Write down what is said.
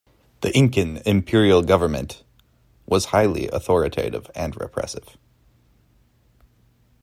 The Incan imperial government was highly authoritative and repressive.